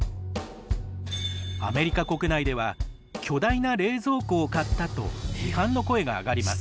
アメリカ国内では「巨大な冷蔵庫を買った」と批判の声が上がります。